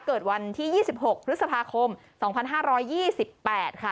เกิดวันที่๒๖พฤษภาคม๒๕๒๘ค่ะ